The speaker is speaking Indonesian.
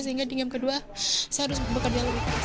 sehingga di game kedua saya harus bekerja lebih